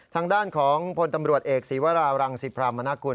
ทางด้านของพลตำรวจเอกศีวรารังสิพรามนากุล